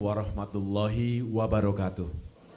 wa rahmatullahi wa barakatuh